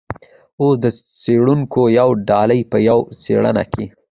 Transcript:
اوس د څیړونکو یوې ډلې په یوه څیړنه کې